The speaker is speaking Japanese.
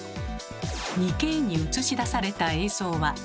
２Ｋに映し出された映像は。